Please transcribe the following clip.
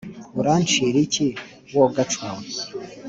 urancira iki wogacwa we